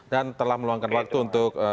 dan telah meluangkan waktu untuk